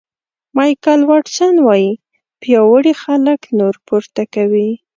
مایکل واټسن وایي پیاوړي خلک نور پورته کوي.